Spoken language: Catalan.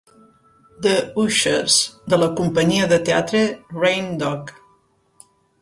"The Ushers" de la companyia de teatre Rain Dog.